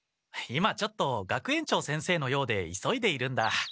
今ちょっと学園長先生の用で急いでいるんだ。